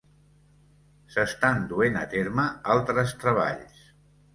S'estan duent a terme altres treballs.